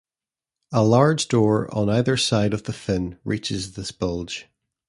A large door on either side of the fin reaches this bulge.